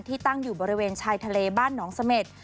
ตั้งอยู่บริเวณชายทะเลบ้านหนองเสม็ด